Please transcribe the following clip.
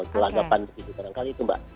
kelagapan begitu kadang kadang itu mbak